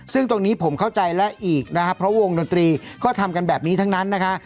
ซึ่งตรงนี้ผมเข้าใจแล้วอีกนะครับเพราะวงดนตรีก็ทำกันแบบนี้ทั้งนั้นนะคะ